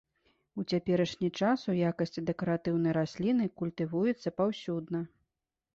У цяперашні час у якасці дэкаратыўнай расліны культывуецца паўсюдна.